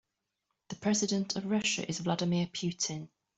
The president of Russia is Vladimir Putin.